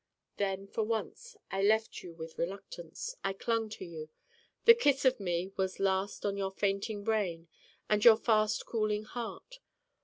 Then for once I left you with reluctance. I clung to you. The kiss of me was last on your fainting brain and your fast cooling heart.